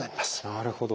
なるほど。